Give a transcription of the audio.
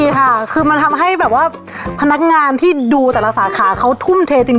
ใช่ค่ะคือมันทำให้แบบว่าพนักงานที่ดูแต่ละสาขาเขาทุ่มเทจริง